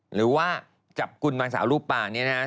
หรือว่าจับกุนวางสาวลูกปลานี่นะฮะ